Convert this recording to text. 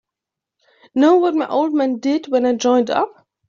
Know what my old man did when I joined up?